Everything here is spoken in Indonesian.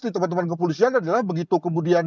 di teman teman kepolisian adalah begitu kemudian